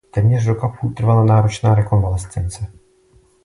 Téměř rok a půl trvala náročná rekonvalescence.